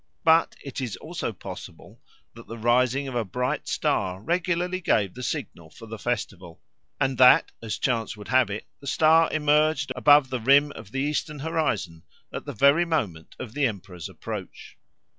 But it is also possible that the rising of a bright star regularly gave the signal for the festival, and that as chance would have it the star emerged above the rim of the eastern horizon at the very moment of the emperor's approach.